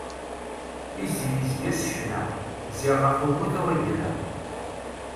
Izi izga s ccna, ziɣ ɣef ugudu i yella.